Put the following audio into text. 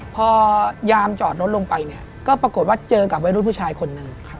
พอยามจอดรถลงไปเนี่ยก็ปรากฏว่าเจอกับวัยรุ่นผู้ชายคนหนึ่ง